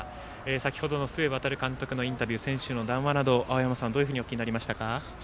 先程の須江航監督のインタビュー選手の談話など青山さん、どんなふうにお聞きになりましたか。